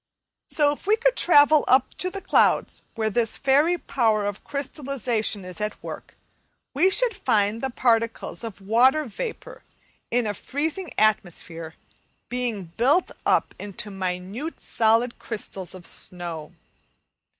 So, if we could travel up to the clouds where this fairy power of crystallization is at work, we should find the particles of water vapour in a freezing atmosphere being built up into minute solid crystals of snow.